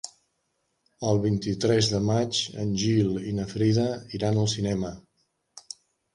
El vint-i-tres de maig en Gil i na Frida iran al cinema.